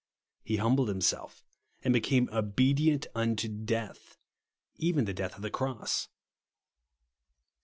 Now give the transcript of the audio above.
He humbled himself and became obedient unto death, even the death of the cross," (Phil.